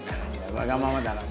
わがままだな。